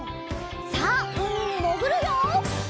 さあうみにもぐるよ！